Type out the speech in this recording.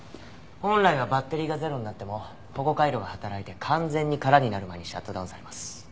本来はバッテリーがゼロになっても保護回路が働いて完全に空になる前にシャットダウンされます。